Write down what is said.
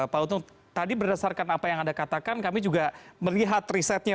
pak untung tadi berdasarkan apa yang anda katakan kami juga melihat risetnya